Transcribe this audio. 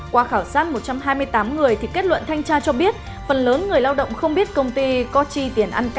qua khảo sát một trăm hai mươi tám người thì kết luận thanh tra cho biết phần lớn người lao động không biết công ty có chi tiền ăn tết